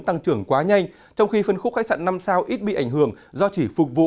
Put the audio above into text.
tăng trưởng quá nhanh trong khi phân khúc khách sạn năm sao ít bị ảnh hưởng do chỉ phục vụ